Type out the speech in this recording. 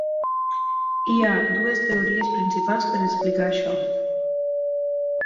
Hi ha dues teories principals per a explicar això.